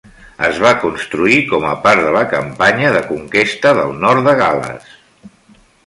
Es va construir com a part de la campanya de conquesta del nord de Gal·les.